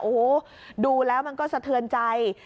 โอ้โหดูแล้วมันก็สะเทือนใจ